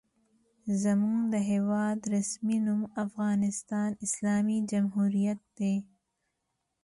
زموږ د هېواد رسمي نوم افغانستان اسلامي جمهوریت دی.